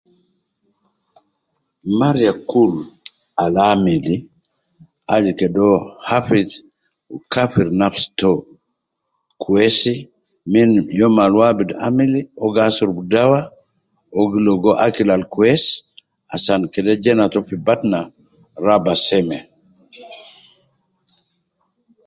Mariya kul al amili aju kede uwo hafidh kafir nafsi too kwesi min youm al uwo abidu amili uwo gi asurubu dawa uwo gi ligo akili al kwesi asan kede jena too fi batna raba seme